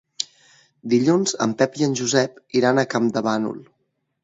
Dilluns en Pep i en Josep iran a Campdevànol.